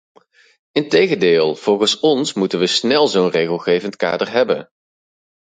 Integendeel, volgens ons moeten we snel zo'n regelgevend kader hebben.